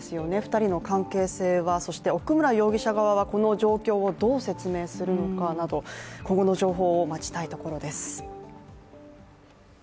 ２人の関係性は、そして奥村容疑者側はこの状況をどう説明するのかなど今後の情報を待ちたいところです。